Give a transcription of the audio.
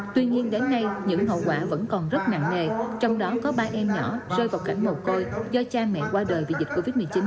tuy nhiên đến nay những hậu quả vẫn còn rất nặng nề trong đó có ba em nhỏ rơi vào cảnh mồ côi do cha mẹ qua đời vì dịch covid một mươi chín